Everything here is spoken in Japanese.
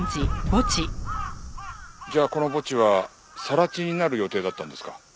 じゃあこの墓地は更地になる予定だったんですか？